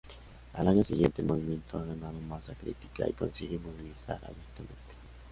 Al año siguiente, el movimiento ha ganado masa crítica y consigue movilizar abiertamente.